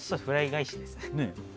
フライ返しですね